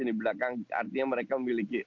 di belakang artinya mereka memiliki